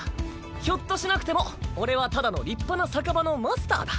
ひょっとしなくても俺はただの立派な酒場のマスターだ。